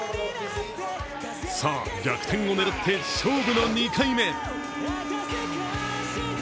さあ、逆転を狙って勝負の２回目。